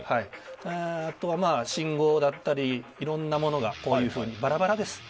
信号だったり、いろんなものがこういうふうにバラバラです。